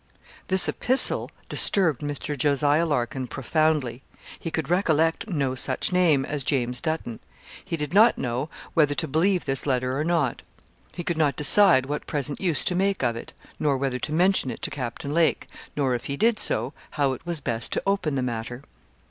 This epistle disturbed Mr. Jos. Larkin profoundly. He could recollect no such name as James Dutton. He did not know whether to believe this letter or not. He could not decide what present use to make of it, nor whether to mention it to Captain Lake, nor, if he did so, how it was best to open the matter.